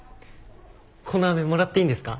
このあめもらっていいんですか？